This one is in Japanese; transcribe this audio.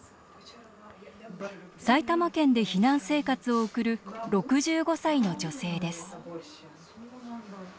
埼玉県で避難生活を送る６５歳の女性です。